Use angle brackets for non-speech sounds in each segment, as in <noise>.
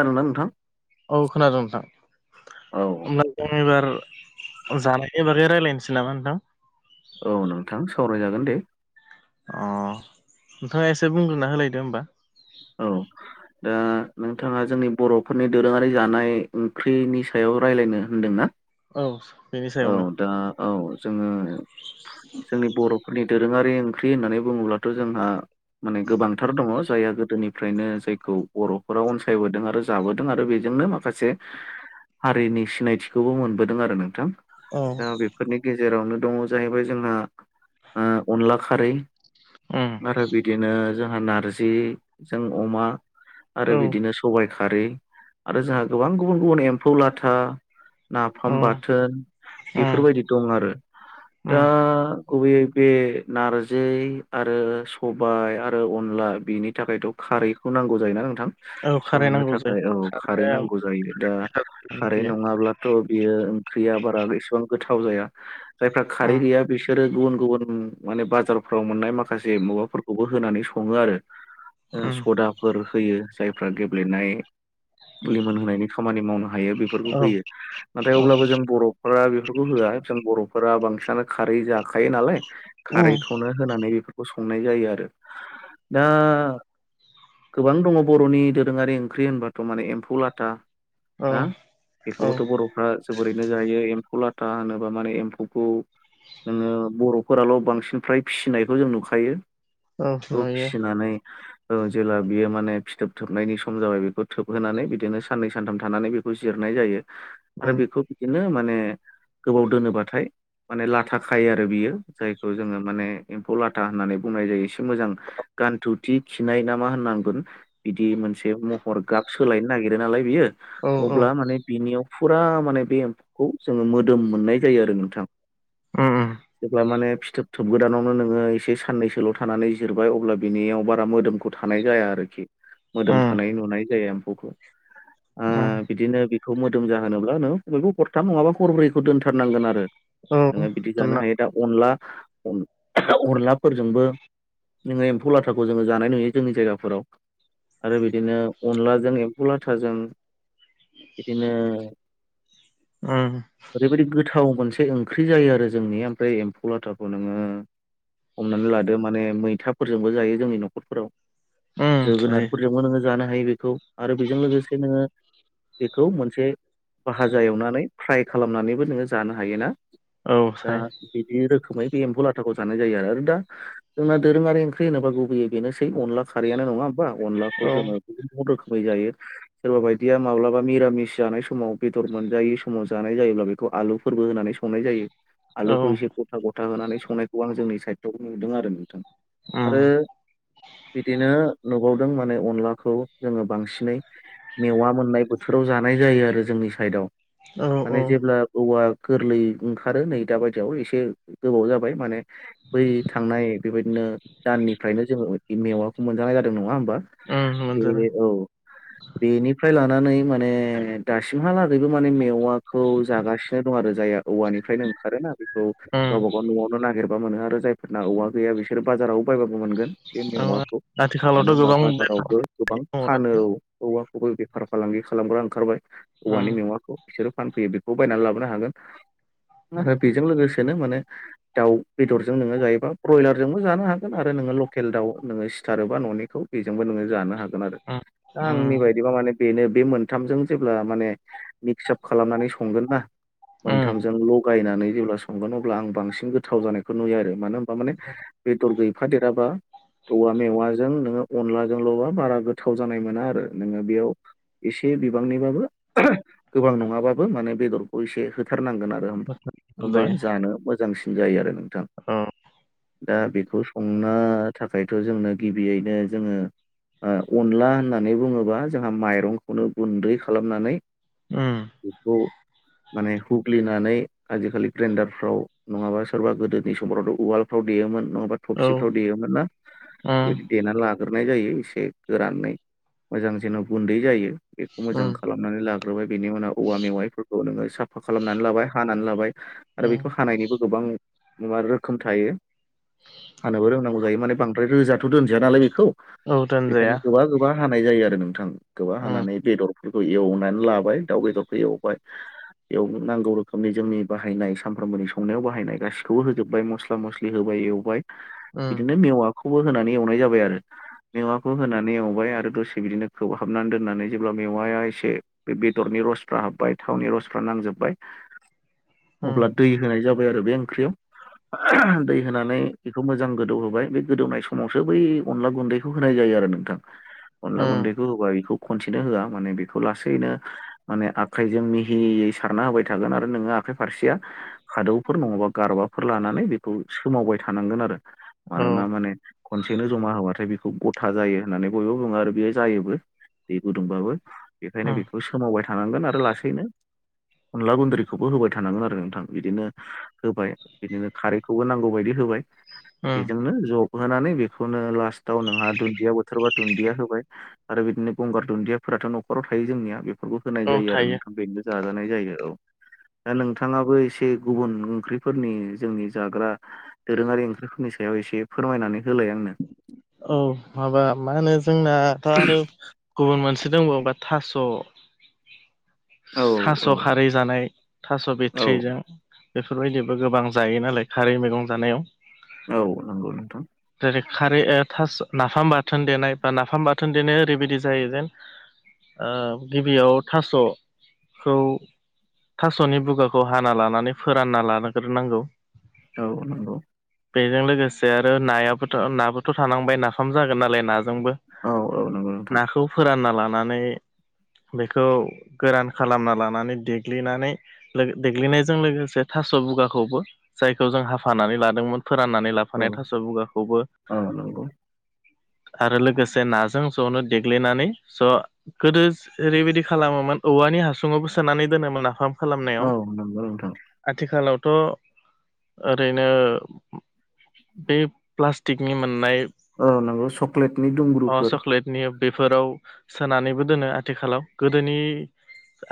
खोनादोंना नोंथां? औ खोनादों नोंथां औ होमब्ला जों एबार जानाय बागै राय्लायनोसै नामा नोंथां? औ नोंथां सावरायजागोन दे अ नोंथाङा एसे बुंग्रोना होलायदो होमबा औ दा नोंथाङा जोंनि बर'फोरनि दोरोङारि जानाय ओंख्रिनि सायाव राय्लायनो होनदोंना? औ बेनि औ सायावनो दा औ जोङो जोंनि बर'फोरनि दोरोङारि ओंख्रि होननानै बुङोब्लाथ' जोंहा माने गोबांथार दङ जायहा गोदोनिफ्रायनो जायखौ बर'फोरााव अनसायबोदों आरो जाबोदों आरो बेजोंनो माखासे हारिनि सिनायथिखौबो मोनबोदों आरो नोंथां उम दा बेफोरनि गेजेरावनो दङ जाहैबाय जोंहा अनला खारै आरो बिदिनो जोंहा नारजिजों अमा औ आरो बिदिनो सबायाइ खारै आरो जोंहा गोबां गुबुन गुबुन एम्फौ लाथा नाफाम उम बाथोन बेफोरबायदि दं आरो दा उम गुबैयै बे नारजि आरो सबाय आरो अनला बेनि थाखायथ' खारैखौ नांगौ जायोना नोंथां औ खारै संनो नांगौ जायो थाखाय औ खारै खारैया नांगौ जायो दा खारै नङाब्लाथ' बियो ओंख्रियाबा एसेबां गोथाव जया जायफोरा खारै उम गैया बिसोरो गुबुन गुबुन माने बाजारफ्राव मोननाय माखासे माबाफोरखौबो होनानै सङो आरो उम सदाफोर होयो जायफ्रा गेब्लेनाय लिमोन होनायनि खामानि मावनो हायो बेफोरखौ औ होयो नाथाय औ अब्लाबो जों बर'फोरा होआ जों बर'फोरा बांसिनानो खारै जाखायो नालाय उम खारैखौनो होनानै बेफ संनाय जायो आरो दा गोबां दङ बर'नि दोरोङारि ओंख्रि होनबाथ' माने एम्फौ लाथा औ ना औ बेखौबोथ' बर'फ्रा जोबोरैनो जायो एम्फ फौ लाथा होनोबा माने एम्फौखौ नोङो बर'फोराल' बांसिन फ्राय फिसिनायखौ जों नुखायो औ खौ नुयो फिसिनानै ओ जेला बियो माने फिथोब थोबनायनि सम जाबाय बेखौ थोबहोनानै बिदिनो साननै सानथाम थानानै बेखौ जिरनाय जायो आरो उम बेखौ बिदिनो माने गोबाव दोनोबाथाय माने लाथा खायो आरो बियो जायखौ जोङो माने एम्फौ ला था होननानै बुंनाय जायो एसे मोजां गानथु खिनाय ना मा होननांगोन बिदि मोनसे महर गाब सोलायनो नागिरो नालाय बियो औ औ अब्ला माने बिनियाव फुरा माने बे एम्फौखौ जोङो मोदोम मोननाय जायो आरो नोंथां उम उम जेब्ला माने फिथोब थोब गोदानावनो नोङो एसे साननैसोल' थानानै जिरबाय अब्ला बिनियावबा मोदोमखौ थानाय जाया आरोखि मोदोम उम थानाय नुनाय जाया एम्फौखौ आ उम बिदिनो बेखौ मोदोम जाहोनोब्ला नों बयबो हरथाम नङाबा हरब्रैखौ दोनथारनांगोन आरो औ नोङो बिदि जानो दोनना हायो दा अनला अनलाफोरजोंबो नोङो एम्फौ लाथाखौ खौ जोङो जानाय नुयो जोंनि जायगाफोराव आरो बिदिनो अनलाजों एम्फौ लाथाजों बिदिनो उम ओरैबायदि गोथाव मोनसे ओंख्रि जायो आरो जोंनि ओमफ्राय एम्फौ लाथाखौ नोङो हमनानै लादो माने मैथाफोरजोंबो जायो जोंनि न'खरफोराव उम सायो जोगोनारफोरजोंबो नोङो जानो हायो बेखौ आरो बेजों लोगोसे नोङो बेखौ मोनसे भाजा एवनानै फ्राय खालामनानैबो नोङो जानो हायोना औ दा सायो बिदि रोखोमै बे एम्फौ लाथाखौ जानाय जायो आरो। आरो दा जोंना दोरोङारि ओंख्रि होनोबा गुब बोयै बेनोसै अनला खारैआनो नङा होमबा अनलाखौ औ जोङो <unintelligible> रोखोमै जायो सोरबा बायदिया मा माब्लाबा मिरामिस जानाय समाव बेदर मोनजायै समाव जानाय जायोब्ला बेखौ आलुफोरबो होनानै संनाय जायो औ आलुखौ एसे गथा गथा होनानै संनायखौ आं जोंनि सायदआव नुदों आरो नोंथां आरो <unintelligible> बिदिनो नुबावदों माने अनलाखौ जोङो बांसिनै मेवा मोननाय बोथोराव जा जानाय जायो आरो जोंनि साइडआव औ माने औ जेब्ला औवा गोरलै ओंखारो नै दा बायदियाव एसे गोबाव जाबाय माने बै थांनाय बेबायदिनो दाननि फ्रायनो जोङो बे मेवाखौ मोनजानाय जादों नङा होमबा उम मोनजादों बेनिनो औ बेनिफ्राय लानानै माने दासिमहालागैबो माने मेवाखौ जागासिनो दं आरो ओजाया औवानिफ्रायनो ओंखारोना बेखौ उम गावबा गाव न'आवनो नागेरबा मोनो आरो जायफोरना औवा गैया बिसोर बाजाराव बायबाबो मोनगोन बे औ मेवाखौ मानो आथिखालावथ' होमबा गोबां बेफार दङ बाजारावबो गोबां ना फानोऔ औवाखौबो बेफार फालांगि खालामग्रा ओंखारबाय औवानि उम मेवाखौ बिसोरो फानफैयो बेखौ बायनानै लाबोनो हागोन <inaudible> आरो बेजों लोगोसेनो माने दाउ बेदरजों नोङो जायोबा ब्रयलारजोंबो जानो हागोन आरो नोङो लकेल दाउ नोङो सिथारोबा न'निखौ बेजोंबो नोङो जानो हागोन आरो उम दा आंनि बायदिबा माने बेनो बे मोनथामजों जेब्ला माने मिक्स आप खालामनानै संगोन ना उम मोनथामजों लगायनानै जेब्ला संगोन अब्ला आं बांसिन गोथाव जानायखौ नुयो आरो मानो होनबा माने बेदर गैफादेराबा औवा मेवाजों नोङो अनलाजोंल'बा बारा गोथाव जानाय मोना आरो नोङो बेयाव एसे बिबांनिबाबो <unintelligible> गोबां नङाबाबो माने बेदरखौ एसे होथारनांगोन आरो होमबा जायो जानो मोजांसिन जायो आरो नोंथां औ दा बेखौ हंनो थाखायथ' जोंनो गिबियैनो जोङो ओ अनला होननानै बुङोबा जोंहा माइरंखौनो गुन्दै खालामनानै उम बेखौ माने हुग्लिनानै आजिखालि ग्रेन्डारफ्राव नङाबा सोरबा गोदोनि समफ्रावथ' उवालफ्राव देयोमोन नङाबा औ थबसिफ्राव देयोमोन ना उम बेबायदि देनानै लाग्रोनाय जायो एसे गोरानै मोजां जेन' गुन्दै जायो बेखौ मोजां उम खालामनानै लाग्रोबाय बेनि उनाव औवा मेवाइफोरखौ नोङो साफ फा खालामनानै लाबाय हानानै लाबाय आरो उम बेखौ हानायनिबो गोबां <unintelligible> रोखोम थायो <inaudible> हानोबो रोंनांगौ जायो माने बांद्राय रोजाथ' दोनजाया नालाय बेखौ औ दोनजाया बेखायनो गोबा -गोबा हानाय जायो आरो नों थां गोबा उम हानानै बेदरफोरखौ एवनानै लाबाय दाउ बेदरखौ एवबाय एवनो नांगौ रोखोमनि जोंनि बाहायनाय सानफ्रामबोनि संनायाव बाहायनाय गासिखौबो होजोबबाय मस्ला मस्लि होबाय एव उम बिदिनो मेवआ खौबो होनानै एवनाय जाबाय आरो मेवाखौ होनानै एवबाय आरो दसे बिदिनो खोबहाबनानै दोननानै जेब्ला मेवाया एसे बे बेदरनि रसफ्रा हाब्बाय थावनि रसफ्रा नांजोबबाय <inaudible> उम अब्ला दै होनाय जाबाय आरो बे ओंख्रियाव <unintelligible> दै होनानै बेखौ मोजां गोदौ होबाय बे गोदौनाय समावसो बै अनला गुन्दैखौ होनाय जायो आरो नोंथां। अनला उम गुन्दै खौ होबाय बेखौ खनसेनो होआ माने बेखौ लासैनो माने आखायजों मिहियै सारना होबाय थागोन आरो नोङो आखाइ फारसेया हादौफोर नङाबा गारबाफोर लानानै सोमावबाय थानांगोन आरो औ मानोना माने खनसेनो जमा होबाथाय बेखौ गथा जायो होननानै बयबो बुङो आरो बेयो जायोबो। दै गुदुंबाबो बेखायनो उम बेखौ सोमावबाय थानांगोन आरो लासैनो अनला गुन्द्रिखौबो होबाय थानांगोन आरो नोंथां, बिदिनो होबाय बिदिनो खारैखौबो नांगौ बायदि होबाय उम बेजोंनो जबहोनानै बेखौनो लास्टाव नोंहा दुन्दिया बोथोरबा दुन्दिया होबाय आरो बे बिदिनो गंगार दुन्दियाफोराथ' न'खराव थायो जोंनिया बेफोरखौ होनाय औ जायो आरो थायो नोंथां, बेनो जाजानाय जायो औ। दा नोंथाङाबो एसे गुबुन ओंख्रिफोरनि जोंनि जाग्रा दोरोङारि ओंख्रिफोरनि सायाव एसे फोरमायनानै होलाय आंनो। औ माबा मा होनो जोंना दा आरो गुबुन मोनसे दंबावबा थास' औ थास' औ खारै जानाय थास' औ बिथट्रिजों बेफोरबायदिबो गोबां जायो नालाय खारै मैगं जानायाव। औ नंगौ नोंथां। खारै ओ थास' नाफाम बाथोन देनाय बा नाफाम बाथोन देनाया ओरैबायदि जायो जेन ओ गिबियाव थास'खौ थास'नि बुगाखौ हाना लानानै फोरानना लाग्रोनांगौ। औ नंगौ। बेजों लोगोसे आरो नायाबोथ' नाबोथ' थानांबाय नाफाम जागोन नालाय ना जोंबो औ औ नंगौ नोंथां नाखौ फोरानना लानानै बेखौ गोरान खालामना लानानै देग्लिनानै देग्लिनायजों लोगोसे था थास' बुगाखौबो जायखौ जों हाफानानै लादोंमोन फोराननानै औ लाफानाय थास' बुगाखौबो औ नंगौ <inaudible> आरो लोगोसे नाजों जनो देग्लिनानै स' गोदो ओरैबायदि खालामोमोन औवा बे हासुङावबो सोनानै दोनोमोन नाफाम औ खालामनायाव नंगौ नोंथां आथिखालाव थ' ओरैनो बे प्लास्टिकनि मोननाय अ नंगौ चक्लेटनि अ दुंब्रुफोर चक्लेटनि बेफोराव सोनानैबो दोनो आथिखालाव गोदोनि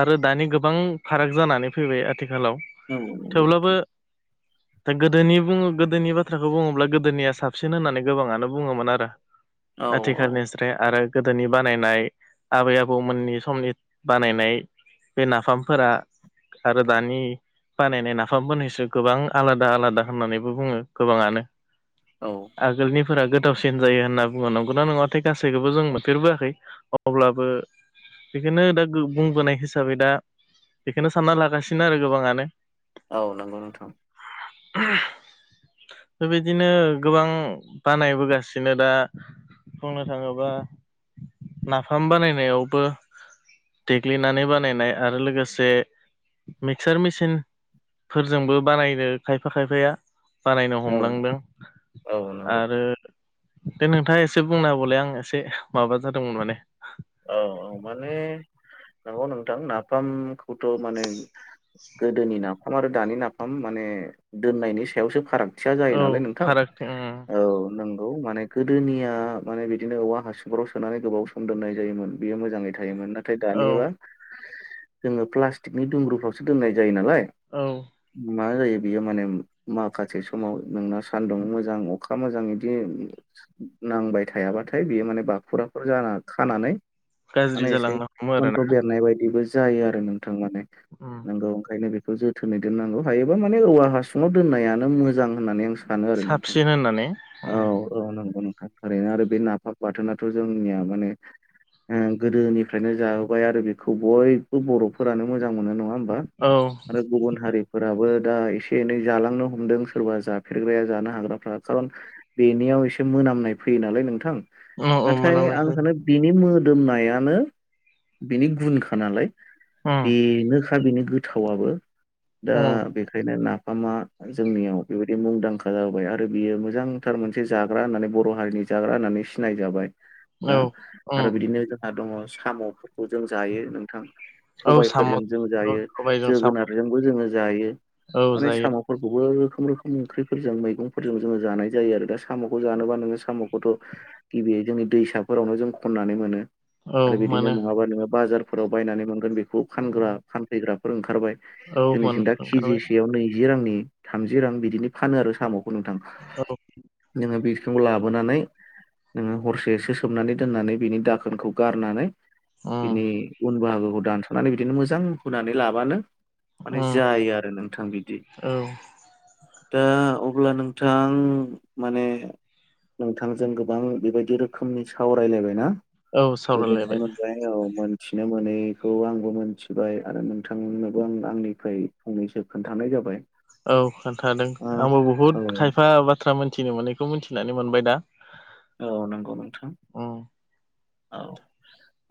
आरो दानि गोबां फाराग जानानै फैबाय आथिखालाव औ नंगौ थेवब्लाबो नोंथां दा गोदोनि बुङो गोदोनि बाथ्राखौ बुङोब्ला गोदोनिया साबसिन होननानै गोबाङानो बुङोमोन आरो। औ औ आथिखालनिस्राय आरो गोदोनि बानायनाय आबै आबौमोननि समनि बानायनाय बे नाफामफोरा आरो दानि बानायनाय नाफाम बोनैसो गोबां आलादा आलादा होननानैबो बुङो गोबाङानो। आगोलनि फोरा गोथावसिन जायो होनना बुङो। नंगौना नङाथाय गासैखौबो जों मोनफेरबोआखै अब्लाबो बेखौनो दा बुंबोनाय हिसाबै दा बेखौनो सानना लागासिनो आरो गोबाङानो। औ नंगौ नोंथां। बेबायदिनो गोबां। बानाय बोगासिनो दा बुंनो थाङोबा नाफाम बानायनायावबो देग्लिनानै बानायनाय आरो लोगोसे मिक्सार मेचिन फोरजोंबो बानायनो खायफा खायफाया बानायनो औ हमलांदों औ नंगौ आरो दे नोंथाङा एसे बुंना बौलाय आं एसे माबा जादोंमोन माने औ औ माने नंगौ नोंथां नाफामखौथ' माने गोदोनि नाफाम आरो दानि नाफाम माने दोननायनि सायावसो फाराग थिया जायो औ नालाय नोंथां फारागथि उम औ नों औ माने गोदोनिया माने बिदिनो औवा हासुंफोराव सोनानै गोबाव सम दोननाय जायोमोन बेयो मोजाङै थायोमोन नाथाय औ दानिबा जोङो प्लास्टिकनि दुमब्रुफ्रावसो दोननाय जायो नालाय औ मा जायो बियो माने माखासे समाव नोंना सान्दुं मोजां अखा मोजां इदि नांबाय थायाबाथाय बियो माने बाखुराफोर जाना खानानै गाज्रि माने एसे जालांनो हमो सन्थ' आरोना बेरनाय बायदिबो जायो आरो नोंथां माने उम नोंगौ ओंखायनो बेखौ जोथोनै दोननांगौ हायोबा माने औवा हासुङाव दोननायानो मोजां होननानै आं सा सानो आरो नोंथां साबसिन होननानै औ औ नंगौ थारैनो आरो बे नाफाब बाथोनथ' जोंनिया माने ओ गोदोनिफ्रायनो जाहोबाय आरो बेखौ बयबो बर'फोरानो मोजां मोजां मोनो नङा होमबा औ आरो गुबुन हारिफोराबो दा एसे एनै जालांनो हमदों सोरबा जाफेरग्राया जानो हाग्राफ्रा खारन बेनियाव एसे मोनामनाय फैयो नालाय नोंथां औ औ नाथाय मोनाम <unintelligible> आं सै सानो बिनि मोदोमनायानो बिनि गुनखा नालाय उम बेनोखा बेनि गोथावाबो दा उम बेखायनो ना मा जोंनियाव बेबायदि मुंदांखा जाबाय आरो बियो मोजांथार मोनसे जाग्रा होननानै बर' हारिनि जाग्रा होननानै सिनाय जाबाय ना औ उम आरो बिदिनो जोंहा दङ साम'फोरखौ जों जायो नोंथां औ साम' सबायफोरजों जों औ जायो सबायजों साम' जोगोनारजोंबो जोङो जायो औ माने जायो साम'फोरखौबो रोखोम रोखोम ओंख्रिफोरजों मैगंफोरजों जोङो जानाय जायो आरो दा साम'खौ जानोबा नोङो साम'खौथ' गिबि <unintelligible> जोंनि दैसाफोरावनो जों खननानै मोनो औ आरो बिदिनो मोनो नङा नोङो बाजाराव बायनानै मोनगोन फानग्रा फानफैग्राफोर ओंखारबाय औ मोन जोंनिथिं दा ओंखारबाय केजिसेयाव नैजि रांनि थामजि रां बिदिनो फानो आरो साम'खौ नोंथां औ नोङो बे बिथिं लाबोनानै नोङो हरसेसो सोमनानै दोननानै बिनि दाखोनखौ गारनानै बिनि उम उन बाहागोखौ दानस'नानै बिदिनो मोजां हुनानै लाबानो माने उम जायो आरो नोंथां बिदि औ दा अब्ला नोंथां माने नोंथांजों गोबां बेबायदि रोखो समनि सावरायलायबाय ना औ गोजोननाय सावरायलायबाय मोनबाय औ मोन मिथिनो मोनैखौ आंबो मोनथिबाय आरो नोंथांनोबो आं आंनिफ्राय फंनैसो खोन्थानाय जाबाय औ खोन्थादों ओ आंबो बहुद औ खायफा बाथ्रा मोनथिनो मोनैखौ मिथिनानै मोनबाय दा औ नंगौ नोंथां उम औ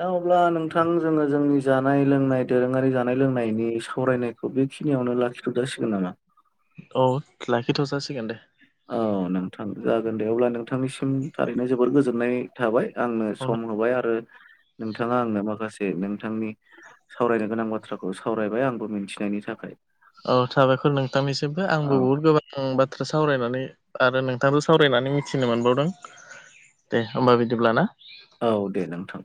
दा अब्ला नोंथां जोङो जोंनि जानाय लोंनाय दोरोङारि जानाय लोंनायनि सावरायनायखौ बे खिनियावनो लाखिथ' जासिगोन नामा औ लाखिथ' जासिगोन दे औ नोंथां जागोन दे अब्ला नोंथांनिसिम थारैनो जोबोर गोजोननाय थाबाय आंनो सम <unintelligible> आरो नोंथाङा आंनो माखासे नोंथांनि सावरायनो गोनां बाथ्राखौ सावरायबाय आंबो मिथिनायनि थाखाय औ साबायखर नोंथांनिसिमबो औ आंबो बुहुद गोबां बाथ्रा सावरायनानै आरो नोंथां <unintelligible> सावरायनानै मिथिनो मोनबावदों दे होमबा बिदिब्ला ना औ दे नोंथां